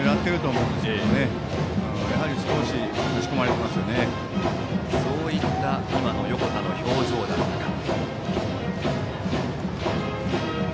そういった今の横田の表情だったか。